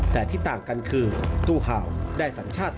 แต่ที่ต่างกันคือตู้เห่าได้สัญชาติ